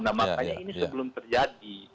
nah makanya ini sebelum terjadi